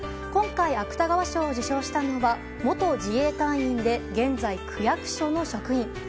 今回、芥川賞を受賞したのは元自衛隊員で現在、区役所の職員。